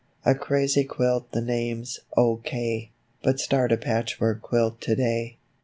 A crazy quilt the name's O. K. But start a patchwork quilt today.